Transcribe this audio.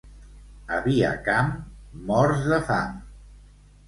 A Viacamp, morts de fam.